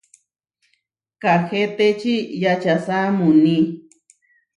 Kaahetečí yačasá muuní.